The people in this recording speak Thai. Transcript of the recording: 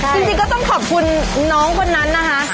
จริงก็ต้องขอบคุณน้องคนนั้นนะคะ